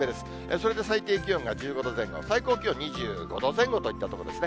それで最低気温が１５度前後、最高気温２５度前後といったところですね。